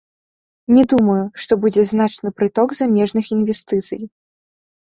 Не думаю, што будзе значны прыток замежных інвестыцый.